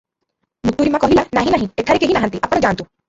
ମୁତୁରୀମା କହିଲା, " ନାହିଁ ନାହିଁ, ଏଠାରେ କେହି ନାହାନ୍ତି, ଆପଣ ଯାଆନ୍ତୁ ।